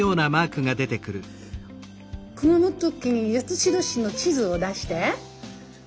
熊本県八代市の地図を出して。